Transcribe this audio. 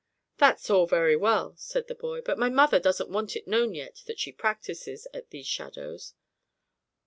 "That's all very well," said the boy: "but my mother doesn't want it known yet that she practices, at these shadows."